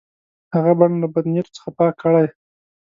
هغه بڼ له بد نیتو څخه پاک کړي.